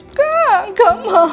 mama gak mau ngeliat anak mama terluka